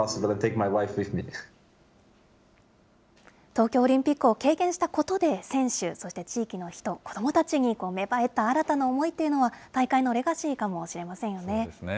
東京オリンピックを経験したことで、選手、そして地域の人、子どもたちに芽生えた新たな思いというのは、大会のレガシーかもしれませんよね。